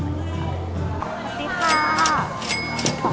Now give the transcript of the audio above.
สวัสดีค่ะ